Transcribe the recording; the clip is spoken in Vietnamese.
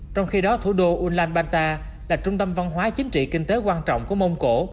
trong khi đó thủ đô ulaanbanta là trung tâm văn hóa chính trị kinh tế quan trọng của mông cổ